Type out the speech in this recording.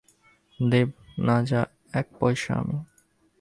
দেব না যা এক পয়সা আমি!